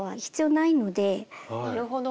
なるほど。